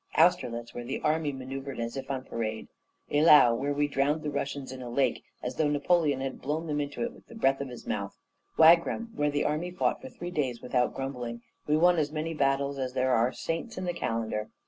Austerlitz, where the army manoeuvred as if on parade; Eylau, where we drowned the Russians in a lake, as though Napoleon had blown them into it with the breath of his mouth; Wagram, where the army fought for three days without grumbling. We won as many battles as there are saints in the calendar.